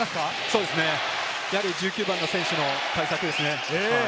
そうですね、やはり１９番の選手の対策ですね。